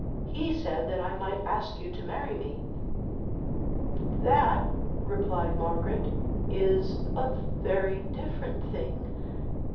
He said that I might ask you to marry me." "That," replied Margaret, "is a very different thing.